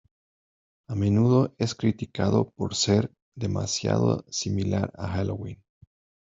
A menudo es criticado por ser "demasiado similar" a Halloween.